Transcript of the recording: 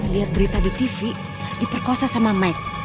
lihat berita di tv diperkosa sama mic